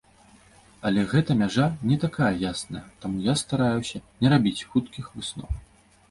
Але гэта мяжа не такая ясная, таму я стараюся не рабіць хуткіх высноваў.